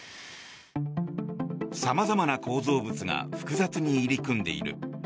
様々な構造物が複雑に入り組んでいる。